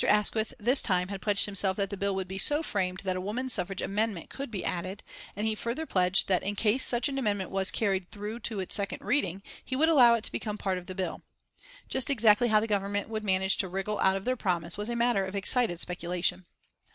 Asquith this time had pledged himself that the bill would be so framed that a woman suffrage amendment could be added, and he further pledged that in case such an amendment was carried through its second reading, he would allow it to become a part of the bill. Just exactly how the Government would manage to wriggle out of their promise was a matter of excited speculation.